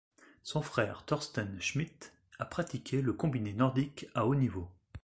Son frère Thorsten Schmitt a pratiqué le combiné nordique à haut niveau.